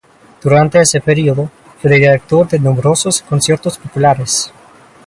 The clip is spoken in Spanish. Durante ese período fue director de numerosos conciertos populares.